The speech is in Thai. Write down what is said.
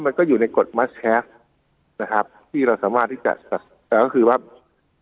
มันก็อยู่ในกฏนะครับที่เราสามารถที่จะก็คือว่าผู้